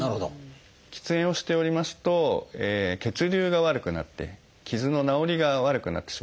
喫煙をしておりますと血流が悪くなって傷の治りが悪くなってしまうんですね。